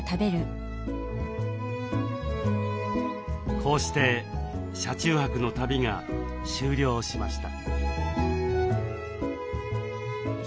こうして車中泊の旅が終了しました。